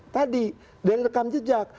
tadi dari rekam jejak